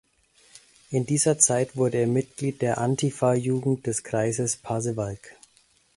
In dieser Zeit wurde er Mitglied der Antifa-Jugend des Kreises Pasewalk.